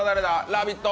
「ラヴィット！」